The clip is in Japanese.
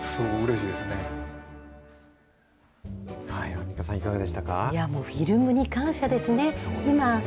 アンミカさん、いやもうフィルムに感謝ですね。